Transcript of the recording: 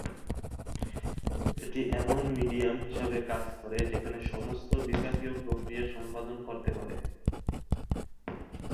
এটি এমন মিডিয়াম হিসেবে কাজ করে যেখানে সমস্ত বিপাকীয় প্রক্রিয়া সম্পাদন করতে পারে।